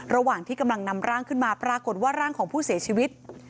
ระหว่างที่กำลังนำร่างขึ้นมาปรากฏว่าร่างของผู้เสียชีวิต